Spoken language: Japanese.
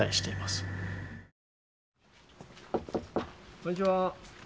こんにちは。